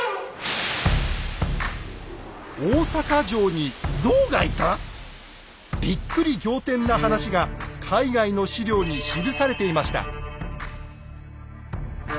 大坂城にゾウがいた⁉びっくり仰天な話が海外の史料に記されていました。